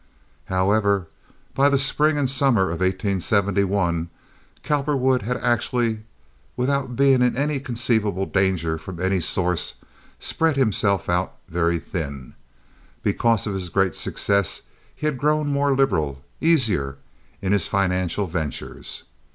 However, by the spring and summer of 1871, Cowperwood had actually, without being in any conceivable danger from any source, spread himself out very thin. Because of his great success he had grown more liberal—easier—in his financial ventures.